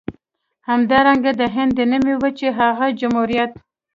همدارنګه د هند د نيمې وچې هغه جمهوريت.